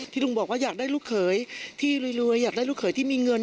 ลุงบอกว่าอยากได้ลูกเขยที่รวยอยากได้ลูกเขยที่มีเงิน